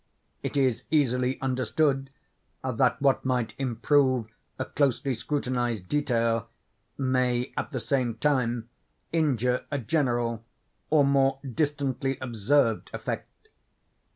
It is easily understood that what might improve a closely scrutinized detail, may at the same time injure a general or more distantly observed effect.